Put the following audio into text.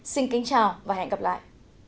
xin kính chào và hẹn gặp lại